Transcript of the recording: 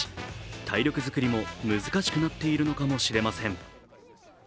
体力作りも難しくなっているのかもしれません。